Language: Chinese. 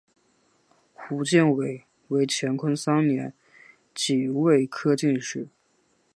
胡建伟为乾隆三年己未科进士。